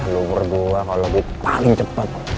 lo berdua kalau lebih paling cepet